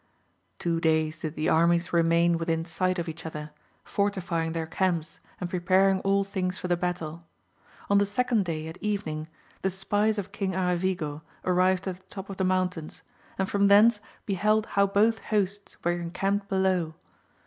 Two days did the armies remain within sight of each other, fortifying their camps and preparing all things for the battle. On the second day at evening, the spies of King Aravigo arrived at the top of the mountains, and from thence beheld how both hosts were encamped below.